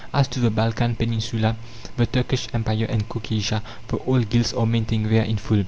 As to the Balkan peninsula, the Turkish Empire and Caucasia, the old guilds are maintained there in full.